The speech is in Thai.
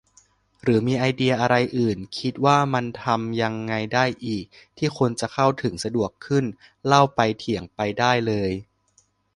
หรือมีไอเดียอะไรอื่น คิดว่ามันทำยังไงได้อีก ที่คนจะเข้าถึงสะดวกขึ้น เล่าไปเถียงไปได้เลย